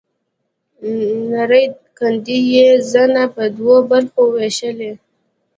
نرۍ کندې يې زنه په دوو برخو وېشلې.